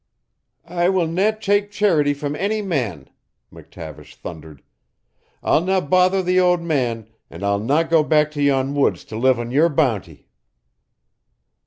"I will nae take charity from any man," McTavish thundered. "I'll nae bother the owd man, an' I'll nae go back to yon woods to live on yer bounty."